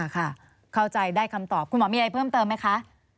เข้าใจได้คำตอบคุณหมอมีอะไรเพิ่มเติมไหมคะ